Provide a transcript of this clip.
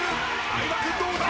相葉君どうだ？